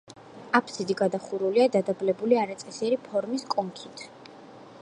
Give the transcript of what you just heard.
აფსიდი გადახურულია დადაბლებული, არაწესიერი ფორმის კონქით.